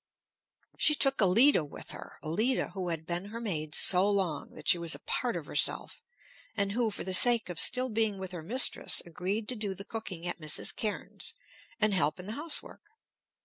She took Allida with her; Allida who had been her maid so long that she was a part of herself; and who, for the sake of still being with her mistress, agreed to do the cooking at Mrs. Cairnes's and help in the house work.